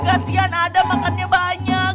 kasian adam makannya banyak